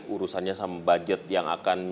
urusannya sama budget yang akan